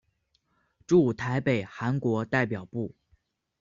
驻台北韩国代表部。